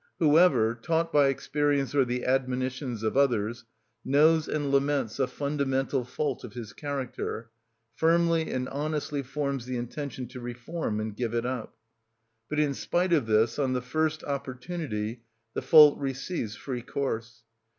Whoever, taught by experience or the admonitions of others, knows and laments a fundamental fault of his character, firmly and honestly forms the intention to reform and give it up; but in spite of this, on the first opportunity, the fault receives free course.